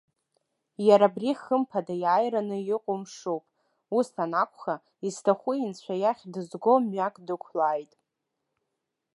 Иара абри, хымԥада, иааираны иҟоу мшуп. Ус анакәха, изҭаху инцәа иахь дызго мҩак дықәлааит.